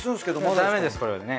ダメですこれはね。